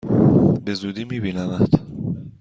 به زودی می بینمت!